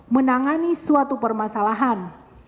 menangani suatu permasalahan